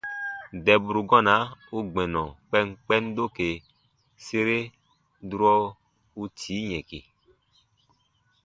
Dɛburu gɔna u gbɛnɔ kpɛnkpɛn doke sere durɔ u tii yɛ̃ki.